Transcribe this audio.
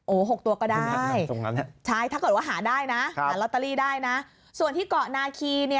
โอ้โห๖ตัวก็ได้ตรงนั้นใช่ถ้าเกิดว่าหาได้นะหาลอตเตอรี่ได้นะส่วนที่เกาะนาคีเนี่ย